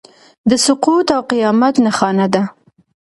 د سقوط او قیامت نښانه ده.